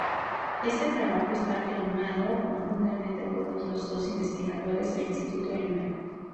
Este trabajo está firmado conjuntamente por otros dos investigadores del instituto alemán.